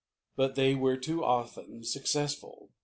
But they were too often successful.